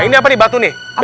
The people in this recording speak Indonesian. ini apa nih batu nih